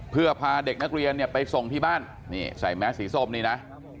เพื่อพาเด็กนักเรียนเนี่ยไปส่งที่บ้านนี่ใส่แมสสีส้มนี่นะ